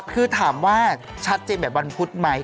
คือถามว่าชัดเจนแบบวันพุธไหม